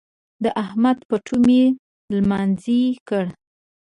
د احمد پټو مې لمانځي کړ.